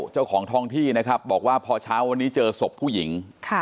เจ้าของท่องที่นะครับบอกว่าพอเช้าวันนี้เจอศพผู้หญิง